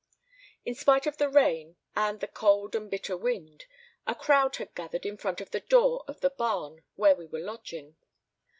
In spite of the rain and the cold and bitter wind, a crowd had gathered in front of the door of the barn where we were lodging.